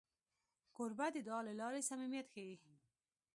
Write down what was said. کوربه د دعا له لارې صمیمیت ښيي.